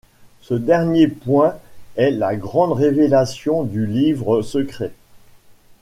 Ce dernier point est la grande révélation du livre secret.